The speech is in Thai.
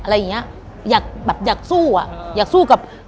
อะไรอย่างนี้อยากสู้อะอยากสู้กับ